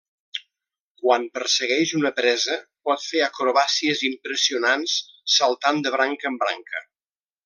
Quan persegueix una presa pot fer acrobàcies impressionants saltant de branca en branca.